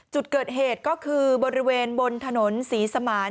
จุดเกิดเหตุก็คือบริเวณบนถนนศรีสมาน